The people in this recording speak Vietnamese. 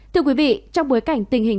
thưa quý vị trong bối cảnh tình hình